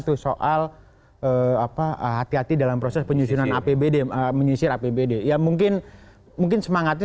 itu soal apa hati hati dalam proses penyusunan apbd menyisir apbd ya mungkin mungkin semangatnya